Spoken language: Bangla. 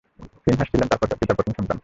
ফিনহাস ছিলেন তাঁর পিতার প্রথম সন্তান।